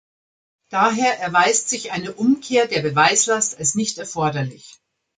Daher erweist sich eine Umkehr der Beweislast als nicht erforderlich.